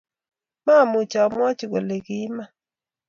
Mamuuch amwachi kole kiiman